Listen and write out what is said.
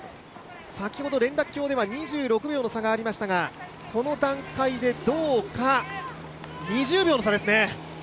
先ほど連絡橋では２６秒の差がありましたがこの段階で２０秒の差ですね。